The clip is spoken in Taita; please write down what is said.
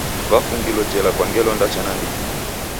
Wafungilo jela kwa ngelo ndacha nandighi.